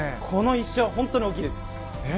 この１勝は本当に大きいです。